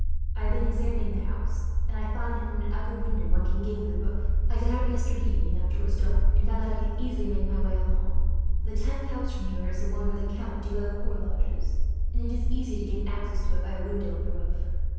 "I have been examining the house, and I find that from an upper window one can gain the roof. I got out yesterday evening, after it was dark, and found that I could easily make my way along. The tenth house from here is the one where the Count de Valecourt lodges, and it is easy to gain access to it by a window in the roof.